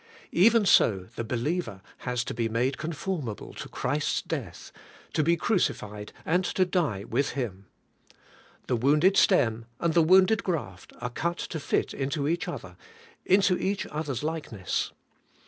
Even so the believer has to be made conformable to Christ's death,— to be crucified and to die with Him. The wounded stem and the wounded graft are cut to fit into each other, into each other's likeness.